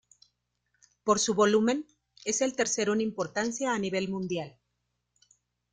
Por su volumen, es el tercero en importancia a nivel mundial.